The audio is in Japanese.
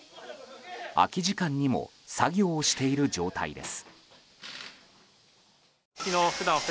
空き時間にも作業をしている状態です。